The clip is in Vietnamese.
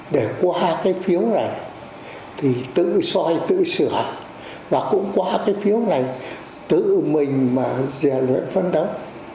để qua cái phiếu này thì tự soi tự sửa và cũng qua cái phiếu này tự mình mà rèn luyện phân đấu